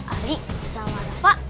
ari sama rafa